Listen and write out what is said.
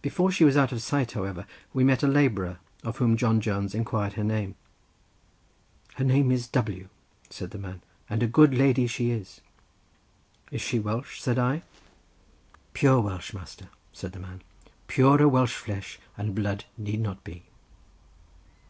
Before she was out of sight, however, we met a labourer, of whom John Jones inquired her name. "Her name is W—s," said the man, "and a good lady she is." "Is she Welsh?" said I. "Pure Welsh, master," said the man. "Purer Welsh flesh and blood need not be."